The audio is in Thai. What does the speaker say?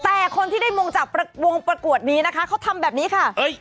แต่คนที่ได้มงจากวงประกวดนี้นะคะเขาทำแบบนี้ค่ะ